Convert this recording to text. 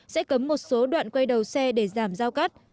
sẽ cấm một số đoạn quay đầu xe để giảm giao cắt